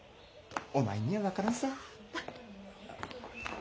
お前には分からんさ。